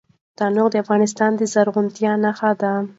تنوع د افغانستان د زرغونتیا نښه ده.